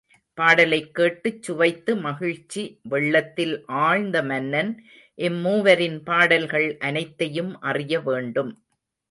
பாடலைக் கேட்டுச் சுவைத்து மகிழ்ச்சி வெள்ளத்தில் ஆழ்ந்த மன்னன், இம்மூவரின் பாடல்கள் அனைத்தையும் அறியவேண்டும்.